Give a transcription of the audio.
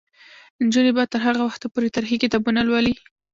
نجونې به تر هغه وخته پورې تاریخي کتابونه لولي.